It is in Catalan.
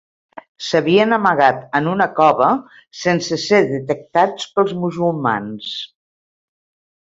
S'havien amagat en una cova, sense ser detectats pels musulmans.